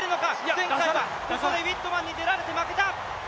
前回はここでウィットマンに出られて負けた。